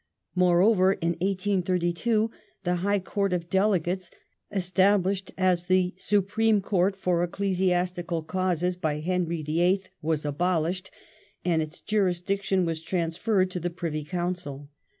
Moreover, in 1832 the High Court of Delegates, established as the Supreme Court for ecclesiastical causes by Henry VHL, was abolished, and its jurisdiction was transferred to the Pi ivy Council.